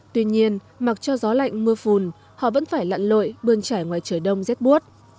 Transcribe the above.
tuy nhiên mặc cho gió lạnh mưa phùn họ vẫn phải lặn lội bơn trải ngoài trời đông rét buốt